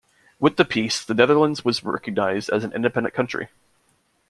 With the peace, the Netherlands was recognized as an independent country.